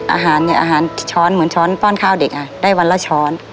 อาหารเนี่ยอาหารช้อนเหมือนช้อนป้อนข้าวเด็กอ่ะได้วันละช้อน